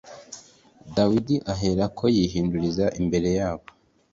Dawidi aherako yihinduriza imbere yabo